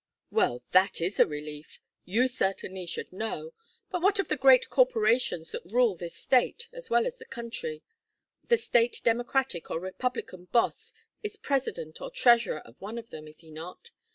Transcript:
"Well, that is a relief. You certainly should know. But what of the great corporations that rule this State as well as the country? The State Democratic or Republican Boss is president or treasurer of one of them, is he not?